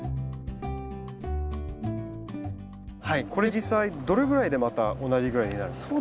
これ実際どれぐらいでまた同じぐらいになるんですか？